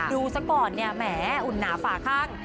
ดูสักก่อนแหมอุ่นหนาฝ่าข้าง